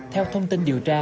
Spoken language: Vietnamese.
theo thông tin điều tra